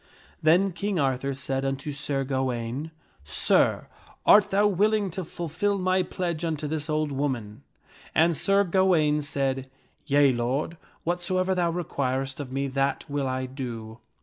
Then King Arthur said unto Sir Gawaine, " Sir, art thou willing to fulfil my pledge unto this old woman?" And Sir Gawaine said, "Yea, lord, whatsoever thou requirest of me, that will I do."